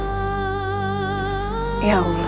saya hanya lagi berpikir kalau kita berdua